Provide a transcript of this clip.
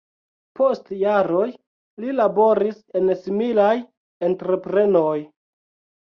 Post jaroj li laboris en similaj entreprenoj.